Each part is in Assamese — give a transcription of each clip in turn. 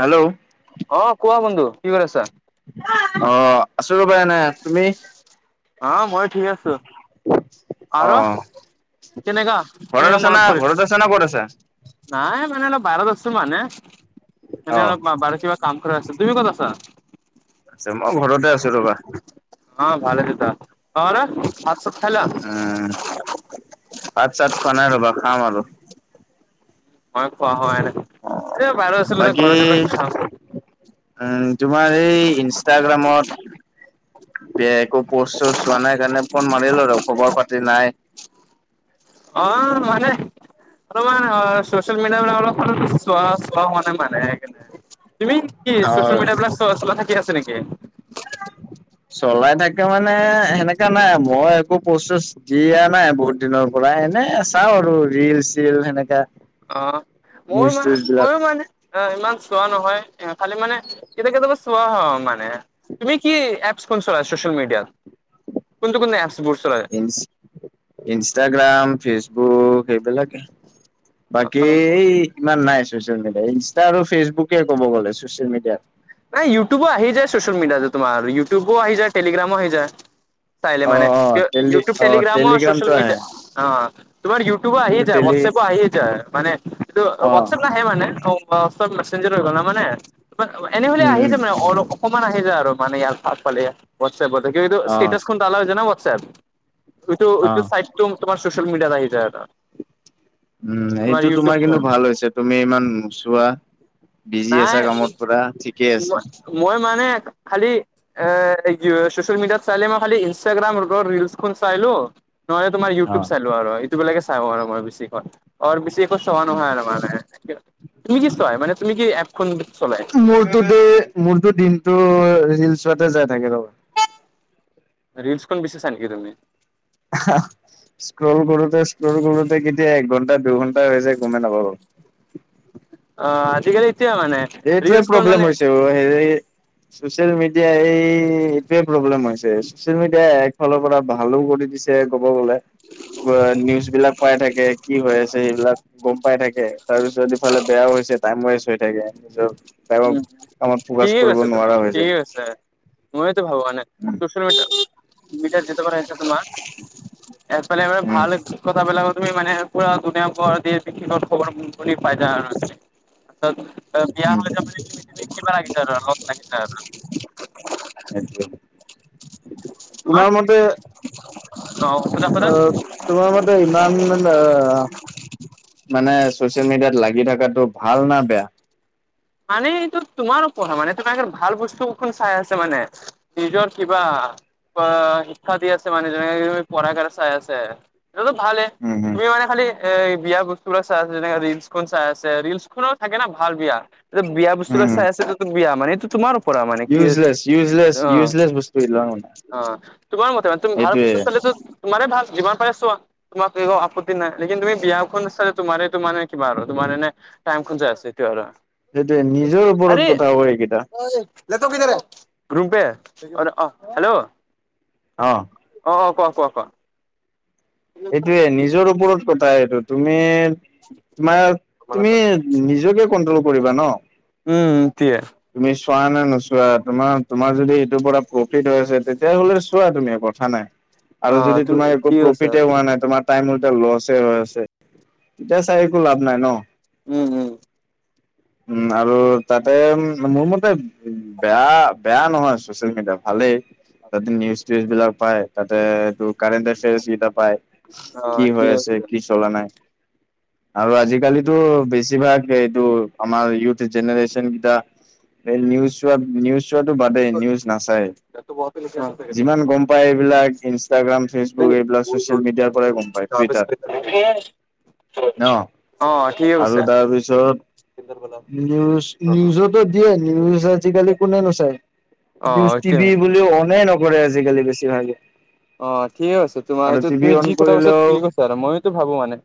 হেল্ল'! অ কোৱা বন্ধু কি কৰিছা? অ আছো ৰ'বা এনে তুমি? অ মই ঠিক আছো। অ আৰু কেনেকা ঘৰত কেনেকা আছা না মনত ঘৰত আছা না পৰিল। ক'ত আছা নাই মানে অলপ বাহিৰত আছো মানে, অ মানে অলপ বাহিৰত কিবা কাম কৰিব আছো তুমি ক ক'ত আছা? ছে- মই ঘৰতে আছোঁ ৰবা। অ ভালে দেউতা। [unintelligible] ভাত-চাত খালা? ভাত-চাত খোৱা নাই ৰবা। খাম আৰু। মই খোৱা হোৱাই নাই। অ এই বাহিৰত আছিলোঁ বাকী এই [unintelligible] উম, তোমাৰ এই ইনষ্টাগ্ৰামত এয়া একো পষ্ট-চষ্ট হোৱা নাই কাৰণে, ফোন মাৰিলো আৰু। খবৰ পাতি নাই। অ' মানে অলপমান অ'- ছচিয়েল মিডিয়াবিলাক অলপ মানে চোৱা- চোৱা হোৱা নাই মানে, সেইকাৰণে। তুমি কি অ ছচিয়েল মিডিয়াবিলাক চ- চলাই থাকি আছে নেকি? চলাই থাকে পোষ্ট-চষ্ট দিয়া নাই বহুত দিনৰ পৰা। এনে চাওঁ আৰু, ৰিল-চিল সেনেকা। অ' মোৰ নিউজ চিউজ মা- মোৰ মানে অ' ইমান চ চোৱা নহয়। এ খালি মানে, কেতি- কেতিয়াবা চোৱা হয় মানে। তুমি কি এপছ্খন চলা ছচিয়েল মিডিয়াত? কোনটো কোন এপছ্ ইনষ্- ইনষ্টাগ্ৰাম, ফেচবুক সেইবিলাকে বাকী এই ইমান নাই ছচিয়েল মিডিয়া। ইনষ্টা আৰু ফেচবুকে ক'ব গ'লে ছচিয়েল মিডিয়াত। নাই, ইউটিউবো আহি যায় ছচিয়েল মিডিয়াতে তোমাৰ। ইউটিউবো আহি যায়, টেলিগ্ৰামো আহি যায়। চাইলে মানে। অ', অ', টেলি ইউটিউব অ', টেলিগ্ৰামো টেলিগ্ৰামটো ছ'চিয়েল আহে মিডিয়া অ' তোমাৰ ইউটিউবো আহিয়ে কিন্তু যায় টেলি হোৱাটছএপো আহিয়ে যায় মানে এইটো অ', হোৱাটছএপ নাহে মানে চব মেচেঞ্জাৰ হৈ গ'ল না মানে এনেহলে উম, আহি য মানে অলপ অসম আহি যায় আৰু মানে ইয়াৰ [unintelligible] হোৱাটছএপতে। কিন্তু অ', ষ্টেটাছখন তালা হৈছে না হোৱাটছএপ। টো টো অ', চাইটটো তোমাৰ ছচিয়েল মিডিয়াত আহি যায় এটা। উম, এইটো তোমাৰ কিন্তু ভাল হৈছে। তুমি ইমান নোচোৱা। বিজি আছা কামত পুৰা? ঠিকেই আছে মই মই মান মানে খালি এ- য়ো- ছচিয়েল মিডিয়াত চাইলে মই খালি ইনষ্টাগ্ৰাম আৰু ধৰা ৰিলছখন চাইলো নহলে তোমাৰ ইউটিউব অ'। চাইলও আৰু ইটো বিলাকে চাও আৰু মই বিশেষ আৰু বিশেষ তো চোৱা নহয় আৰু মানে। তুমি কি চোৱা? মানে তুমি কি এপখন চলায়? তোদে মোৰতো দিনটো ৰিল চোৱাতে যাই থাকে ৰবা। ৰিলছখন বেছি চাইনেকে তুমি? আহ স্ক্ৰল কৰোঁতে - স্ক্ৰল কৰোঁতে কেতিয়া এক ঘণ্টা দুঘন্টা হৈ যায়, গমে নাপাওঁ। [inaudible] অ' আজিকালি এতিয়া মানে এইটোৱে ৰিলচখন প্ৰব্লেম মানে হৈছে অ' হেৰি ছচিয়েল মিডিয়াই এই, এইটোৱে প্ৰব্লেম হৈছে। ছচিয়েল মিডিয়া এ ফালৰ পৰা ভালো কৰি দিছে কব গলে। নিউজ বিলাক পাই থাকে কি হৈ আছে সেইবিলাক গম পাই থাকে। তাৰপিছত ইফালে বেয়াও হৈছে, টাইম ৱেষ্ট হৈ থাকে। তাৰপাছত তাৰ- উম কামত ফ'কাছ ঠিকেই কৰিব কৈছা তুমি নোৱাৰা হৈ ঠিকেই যায়। কৈছা মইতো ভাবা নাই। ছচিয়েল মিডিয়াটো [unintelligible] তোমাৰ এফালেব ভাল ঠিক কথা বিলাক মানে পুৰা ধুনীয়া ভৰ দদিশ খবৰ শুনি ফাইদা আছে ত ত বিয়া হৈ‌ সেইটোৱে যাক বুলি তুমি তুমি কিবা ‌আহিছি ধৰা লাগ লাগি। [unintelligible] সেইটোৱে। তোমাৰ মতে‌ অ' সোধা অ সোধা তোমাৰ মতে ইমান - মানে ছচিয়েল মিডিয়াত লাগি থাকাটো ভাল না বেয়া? মানে এইটো তোমাৰ পঢ়া মানে তোমাৰ ভাল বস্তুখন চাই আছে মানে। নিজৰ কিবা অ' শিক্ষা দি আছে মানে, যেনেকে তুমি পঢ়া [unintelligible] চাই আছে। এইটো ভালে। উম উম উম তুমি মানে খালি এ বিয়া বস্তুবিলাক চাই আছে যেনে ৰিলচখন চাই আছে ৰিলচ খনো থাকে ন ভাল বিয়া। এই বিয়া বস্তুবিলাক চাই আছে ত বিয়া মান এইটো তোমাৰ পৰা মানে কি ইউচলেছ ইউচলেছ অ' ইউচলেছ বস্তুবিলাক অনা অ তোমাৰ মতে মানে তুমি ভালত বস্তু চালে টো তোমাৰ ভাল যিমান পাৰে চোৱা তোমাক এনেও আপত্তি নাই লেকিন তুমি বিয়াখন চাগে তোমাৰে তো মানে কিবা আৰু। মানে এনে টাইমখন যায় আছে এতিয়া আৰু। সেইটোৱে নিজৰ ওপৰত আৰে কথা সেইকেইটা [unintelligible] অ হেল্ল' অহ অ কোৱা কোৱা কোৱা? এইটোৱে, নিজৰ ওপৰত কথা এইটো। তুমি কোৱা তোমাৰ- তুমি নিজকে কন্ট্ৰল কৰিবা ন'? উম', তিয়ে। তুমি চোৱা নে নোচোৱা? তোমাৰ- তোমাৰ যদি এইটোৰ পৰা প্ৰফিট হৈ আছে, তেতিয়াহলে চোৱা তুমি। কথা নাই। অ আৰু যদি তুমি তোমাৰ একো ঠিক প্ৰ আছে নাই, তোমাৰ টাইম উল্টা লছ হে হৈ আছে, তেতিয়া চাই একো লাভ নাই ন'? উম উম উম, আৰু তাতে মোৰ মতে উম বেয়া- বেয়া নহয় ছচিয়েল মেডিয়া ভালে। তাতে নিউজ-তিউজবিলাক পায়, তাতে তোৰ কাৰেণ্ট এফেৰ্ছ কিটা পায়। অ কি হৈ ঠিক আছে, কি চলা নাই। আৰু আজিকালিতো বেছিভাগ এইটো আমাৰ ইউথ জেনেৰেছনকিটা সে নিউজ চোৱাত নিউজ চোৱাটো বাদেই, নিউজ নাচায়ে। অ যিমান গম পায় এইবিলাক ইনছ্ ষ্টাগ্ৰাম, ফেচবুক এইবিলাক ছ'চিয়েল মিডিয়াৰ পৰাই গম পায়। টুইটাৰ অ', ঠিকে আৰু কৈছা তাৰপিছত নিউজ- নিউজতো দিয়ে। নিউজ আজিকালি কোনেনো চায়? অ নিউজ এতিয়া টিভি বুলি অ'নেই নকৰে, আজিকালি বেছিভাগে। অ', ঠিকে কৈছে। আৰু তোমাৰ তো টিভি তুমি অন যি কথা কৈছা, কৰিলেও ঠিক কৈছা আৰু মইও এটো ভাবো মানে।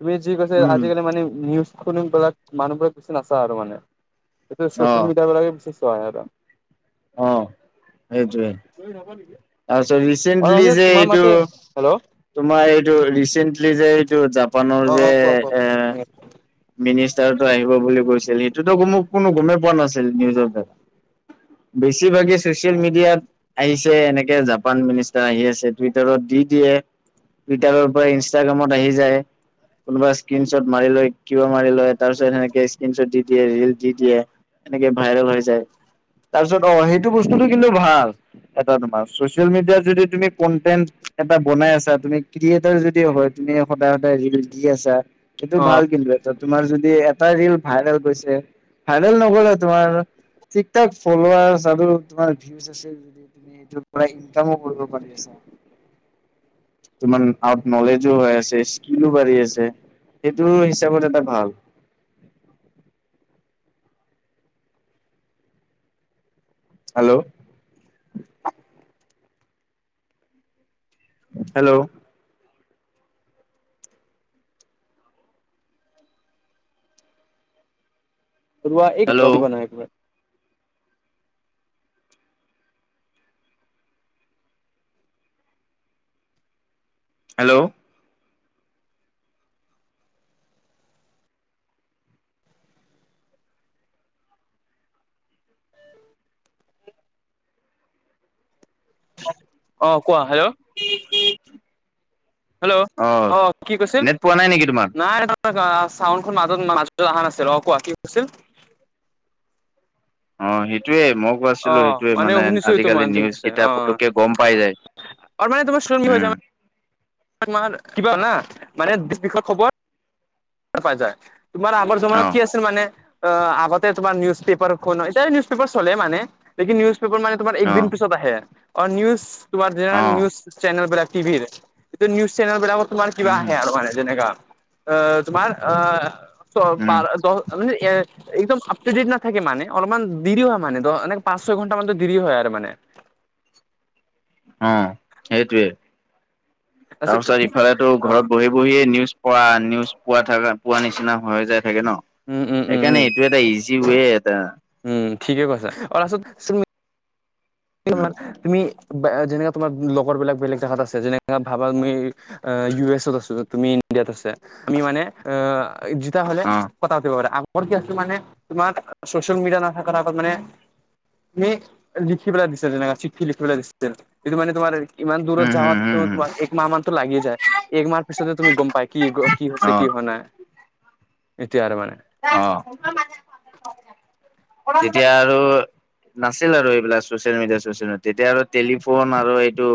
তুমি যি কৈছা উম আজিকালি মানে নিউজ [unintelligible] শুনি বিলাক মানুহবিলাক বেছি নাচায় আৰু মানে। সেইটো অ ছচিয়েল মিডিয়াবিলাকে বেছি চোৱা হয় আৰু। অ', সেইটোৱে। তাৰপিছত অ ৰিচেন্টলি যে তোমাৰ এইটো, মাতে হেল্ল' অ তোমাৰ এইটো ৰিচেণ্ট লি যে এইটো জাপানৰ অ যে কোৱা কোৱা এ কোৱা মিনিষ্টাৰটো আহিব বুলি কৈছিল। সেইটোতো মোক কোনো গমেই পোৱা নাছিল, নিউজৰ দ্বাৰা। বেছিভাগে ছচিয়েল মিডিয়াত আহি ছে এনেকে জাপান মিনিষ্টাৰ আহি আছে, টুইটাৰত দি দিয়ে। টুইটাৰৰ পৰা ইনষ্টাগ্ৰামত আহি যায়। কোনোবা স্ক্ৰীনশ্বট মাৰি লৈ কিবা মাৰি লয়। তাৰ পিছত সেনেকে স্ক্ৰনশ্বট দি দিয়ে, ৰিল দি দিয়ে। সেনেকে ভাইৰেল হৈ যায়। তাৰপিছত অ' সেইটো বস্তুটো কিন্তু ভাল, এটা তোমাৰ। ছচিয়েল মিডিয়াত যদি তুমি কন্টেণ্ট এটা বনাই আছা, তুমি ক্ৰিয়েটাৰ যদি হয়, তুমি সদায় - সদায় ৰিল দি আছা এইটো ভাল কিন্তু। এটা তোমাৰ যদি এটা ৰিল ভাইৰেল গৈছে, ভাইৰেল নগ'লেও তোমাৰ ঠিক-ঠাক ফল্লোৱাৰছ আৰু তোমাৰ ভিউ'ছ আছে যদি, তুমি এইটোৰ পৰা ইনকামো কৰিব পাৰি আছা। তোমাৰ অ'- নলে জো হৈ আছে, স্কিলো বাঢ়ি আছে। সেইটো [unintelligible] লে এটা ভাল। হেল্ল'? হেল্ল'? Hello [unintelligible] hello? অ', কোৱা, হেল্ল'? হেল্ল'? অ, কি কৈছিল? নেট পোৱা নাই নেকি তোমাৰ নাই চাউড মাজত-মাজত অহা নাছিল অ', কোৱা, কি কৈছিল? অ', সেইটোৱে মই অ কৈছিলো সেইটোৱে মানে শুনিছো তোমাৰ আজিকালি নিউজ কৈছে কিতাপ অ পুতকে গম পাই যায়। আৰু মানে তোমাৰ কি হৈ উম জানা? কিবা হ না মানে খবৰ পাই যায়। তোমাৰ আগৰ অ জমনাত কি আছিল মানে অ', আগতে তোমাৰ নিউজ পেপাৰ এতিয়াও নিউজ পেপাৰ চলেই মানে, লেকিন নিউজ মানে তোমাৰ এক অ দিন পিছত আহে। অ', নিউজ তোমাৰ অ নিউজ চেনেল বিলাক টিভিৰ এই নিউজ চেনেল বিলাকত তোমাৰ কিবা আহে উম আৰু মানে যেনেকা তোমাৰ অ, উম বাৰ, দহ মান একদম আপটু ডেট না থাকে মান অলপমান দেৰি হয় মান মানে পাঁচ ছয় ঘণ্টাৰ মান দৰি হয় আৰু। মানে অ সেইটোৱে। তাৰপিছত তাৰ পিছত ইফালেতো অ ঘৰত বহি বহিয়ে নিউজ প নিউজ পোৱা থকা পোৱা নিচিনা হৈ যায় থাকে ন? উম উম উম উম সেইকাৰণে এইটো এটা ইজি ৱে এটা। উম ঠিকে কৈছা। আৰু আচত- কি উম তুমি যেনে তোমাৰ লগৰ বিলাক বেলেগ জেগাত আছে, যেনে ভাবা তমি ইউ এছত আছো তুমি ইয়াত আছা। তুমি মানে জিতা হলে অ কথা পাৰা। মোৰ কি আছো মানে তোমাৰ চচিয়েল মিডিয়া নাথাক আগত মানে তুমি লিখিবেল দিছিলে, চিঠি লিখিবেল দিছিল। যদিটো মানে তোমাৰ ইমান দূৰত উম হম যাৱাত হম হম তোমাৰ এক মাহ মানতো লাগে যায়। এক মাহৰ পিছতে তুমি গম পাই কি কি হৈছে অ কি। হয় নাই? এতিয়া আৰু মানে অ তেতিয়া আৰু নাছিল আৰু এইবিলাক চচিয়েল মিডিয়া চচিয়েল মিডিয়া, তেতিয়া আৰু টেলিফোন আৰু এইটো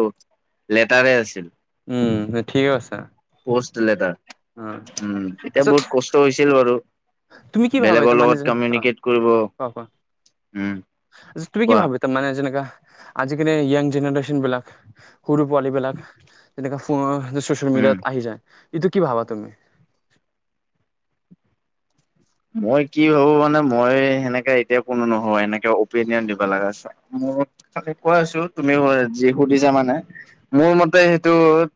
লেটাৰে আছিল। উম ঠিক কৈছা। Post letter. অ উম এতিয়া আচ্ছা বহুত কষ্ট হৈছিল বাৰু। তুমি কি ভাবা বেলেগৰ এটা ত মানে লগত অ কমিউনিকেট কৰিব অ কোৱা কোৱা। উম, তুমি কি কোৱা ভাবি তাৰ মানে যেনেকা আজিকালি য়াং জেনেৰেশ্যন বিলাক সৰু পোৱালী বিলাক যেনেকা ফ- চচিয়েল উম। মিডিয়াত আহি যায়, এইটো কি ভাবা তুমি? মই কি ভাবো মানে মই সেনেকা এতিয়া কোনো নহয়, এনেকে অপিনিয়ন দিব লগা আ- কোৱা আছো। তুমি যি সুধিছা মানে মোৰ মতে সেইটো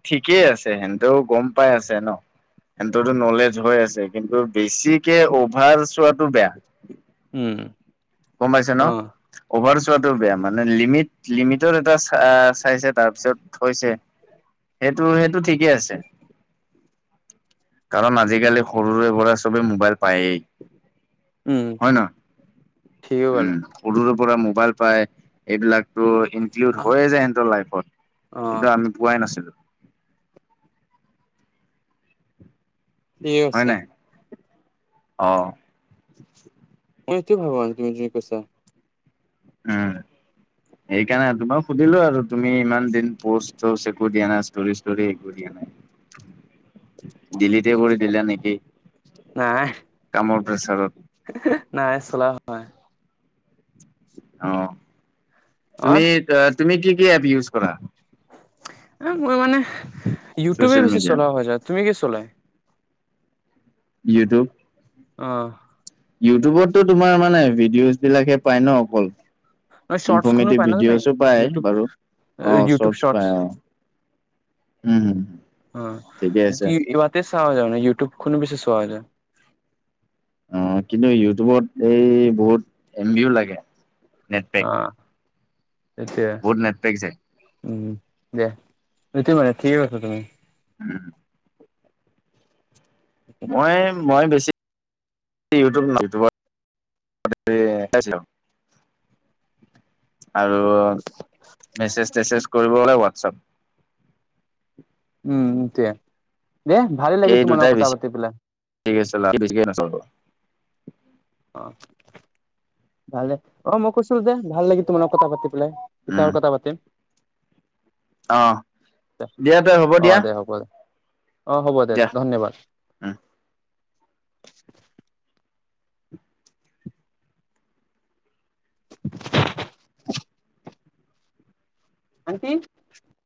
ঠিকেই আছে। সেইটোও গম পাই আছে ন সিহতেটো নলেজ হৈ আছে। কিন্তু বেছি অভাৰ চোৱাটো বেয়া উম। গম পাইছে ন? অ অভাৰ টো বেয়া মানে। লিমিট লিমিটৰ এটা চ চাইছে তাৰপিছত থৈছে। সেইটো সেইটো ঠিকেই আছে। কাৰণ আজিকালি সৰুৰেপৰা চবেই মোবাইল পায়েই। উম হয় ন ঠিকে উম। ক'লা পৰা মোবাইল পায় এইবিলাকতো ইনক্লুড হৈয়ে যায় সিহতৰ লাইফত, অ কিন্তু আমি পোৱাই নাছিলো। ঠিক আছে। অহ। অ তেওঁটো ভগৱান তুমি যি কৈছা। উম সেইকাৰণে তোমাক সুধিলো আৰু তুমি ইমান দিন পষ্ট -চষ্ট একো দিয়া নাই ষ্টৰি - ষ্টৰি একো দিয়া নাই। দিলিতে কৰি দিলা নেকি? নাই। কামৰ প্ৰেছাৰত [unintelligible] নাই চলা হয়। অহ, অৰ তুমি -তুমি, কি -কি এপ ইউজ কৰা? ই মই মানে ইউটিউবে চচিয়েল বেছি মিডিয়া চলোৱা হৈ যায়। তুমি কি চলাই? ইউটিউব অহ ইউটিউবততো তোমাৰ মানে ভিডিঅ'জ বিলাকে পায় ন' অকল। নহয় শৰ্টছ খনো ইনফৰমেটিভ পাই ন তুমি ভিডিঅ'ছো পায় ইউটিউব বাৰু অহ ইউটিউব চৰ্টছ শৰ্টছ পায় অহ। উম অহ, ঠিকে আছে ইবাতে চাৱা যায়, মানে ইউটিউবখনো বেছি চোৱা যায়। অ' কিন্তু ইউটিউবত এই বহুত এম বিও লাগে, নেটপেক। অ সেইটোৱে বহুত নেটপেক যায়। উম দিয়া। এইটো মানে ঠিকে কৈছ তুমি। উ। মই, মই বেছ ইউটুব ইউটুবত [unintelligible] [unintelligible] ত' মেছেজ তেছেজ কৰিব হ'লে হোৱাটছাপ। উম সেটোৱে। দে ভালে লাগিল এই তোমাৰ দুটাই কথা বেছি পাতি পেলাই। বেছিকে নচলাব অ, ভাল এ। অ মই কৈছিলো যে ভাল লাগিল‌ তোমাৰ লগত কথা পাতি। [unintelligible] কথা পাতিম। অহ দিয়া তে হ'ব অ দিয়া। দে হ'ব দে অ' হ'ব দে দিয়া ধন্যবাদ। উম [inaudible] আন্টি।